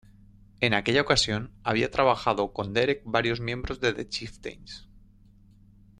En aquella ocasión, había trabajando con Derek varios miembros de "The Chieftains".